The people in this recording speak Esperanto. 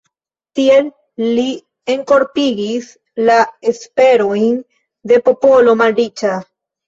Tiel li enkorpigis la esperojn de popolo malriĉa.